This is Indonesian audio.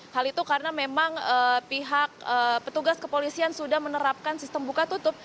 hal itu karena memang pihak petugas kepolisian sudah menerapkan sistem buka tutup